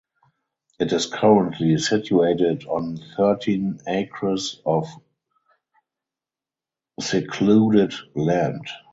It is currently situated on thirteen acres of secluded land.